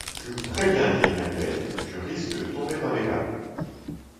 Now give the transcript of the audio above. Je vous préviens, dit Emmanuelle, je risque de tomber dans les vapes.